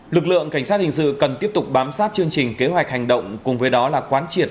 lực lượng cảnh sát hình sự cần tiếp tục bám sát chương trình kế hoạch hành động cùng với đó là quán triệt